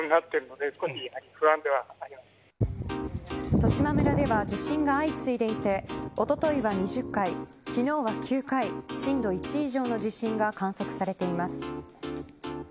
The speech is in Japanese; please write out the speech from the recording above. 十島村では地震が相次いでいておとといは２０回昨日は９回震度１以上の地震が観測されています。